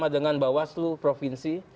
dengan bawaslu provinsi